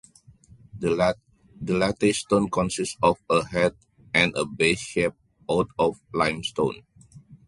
The latte stone consists of a head and a base shaped out of limestone.